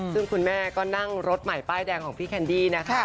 ซึ่งคุณแม่ก็นั่งรถใหม่ป้ายแดงของพี่แคนดี้นะคะ